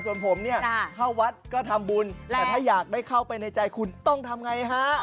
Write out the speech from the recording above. ส่วนผมเนี่ยเข้าวัดก็ทำบุญแต่ถ้าอยากได้เข้าไปในใจคุณต้องทำไงฮะ